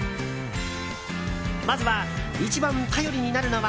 まずは、一番頼りになるのは。